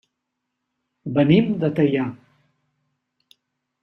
Venim de Teià.